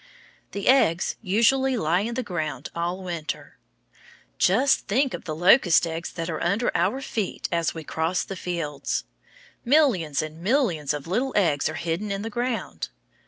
The eggs usually lie in the ground all winter. Just think of the locust eggs there are under our feet as we cross the fields! Millions and millions of little eggs are hidden in the ground.